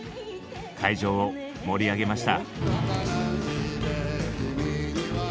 会場を盛り上げました。